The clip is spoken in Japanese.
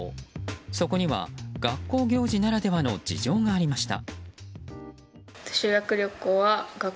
そこには学校行事ならではの事情がありました。